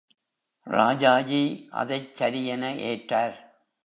ராஜாஜி அதைச் சரியென ஏற்றார்.